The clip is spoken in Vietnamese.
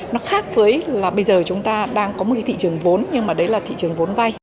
nó khác với là bây giờ chúng ta đang có một cái thị trường vốn nhưng mà đấy là thị trường vốn vay